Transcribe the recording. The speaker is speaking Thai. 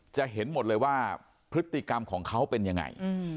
จะเห็นหมดเลยว่าพฤติกรรมของเขาเป็นยังไง